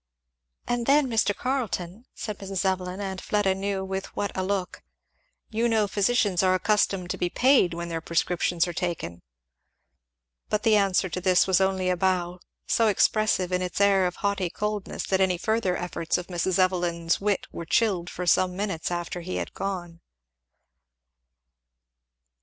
"And then, Mr. Carleton," said Mrs. Evelyn, and Fleda knew with what a look, "you know physicians are accustomed to be paid when their prescriptions are taken." But the answer to this was only a bow, so expressive in its air of haughty coldness that any further efforts of Mrs. Evelyn's wit were chilled for some minutes after he had gone.